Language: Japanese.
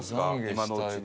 今のうちに。